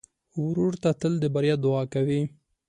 ورور ته تل د بریا دعا کوې.